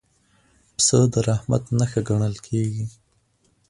پسه د رحمت نښه ګڼل کېږي.